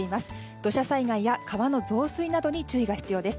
土砂災害川の増水など注意が必要です。